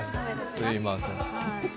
すみません。